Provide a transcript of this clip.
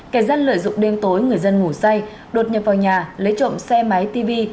kẻ gian lợi dụng đêm tối người dân ngủ say đột nhập vào nhà lấy trộm xe máy tv